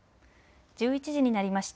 １１時になりました。